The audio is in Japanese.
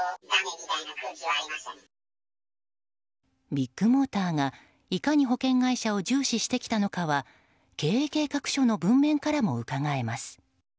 ビッグモーターが、いかに保険会社を重視してきたのかは経営計画書の文面からもうかがえます。